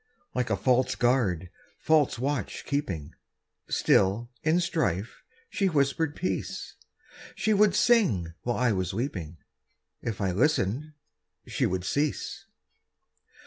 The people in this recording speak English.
Like a false guard, false watch keeping, Still, in strife, she whispered peace; She would sing while I was weeping; If I listened, she would cease.